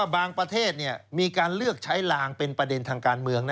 ประเทศมีการเลือกใช้ลางเป็นประเด็นทางการเมือง